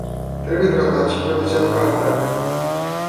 Trebuie tratat și protejat ca atare.